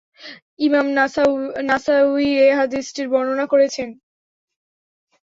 ইমাম নাসাঈও এ হাদীসটি বর্ণনা করেছেন।